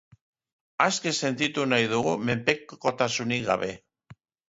Aske sentitu nahi dugu, menpekotasunik gabe.